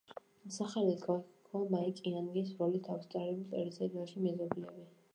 სახელი გაითქვა მაიკ იანგის როლით ავსტრალიურ ტელესერიალში „მეზობლები“.